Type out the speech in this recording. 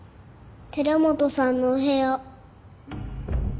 寺本さんのお部屋。